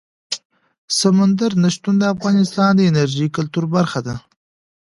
سمندر نه شتون د افغانستان د انرژۍ سکتور برخه ده.